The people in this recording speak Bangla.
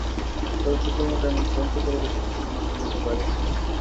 তবে ফুটবল মাঠে এমন সহিংসতা রোধে শেষ পর্যন্ত মাঠে নেমেছে ব্রাজিল পুলিশ।